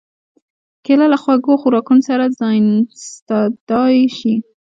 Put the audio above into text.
کېله له خوږو خوراکونو سره ځایناستېدای شي.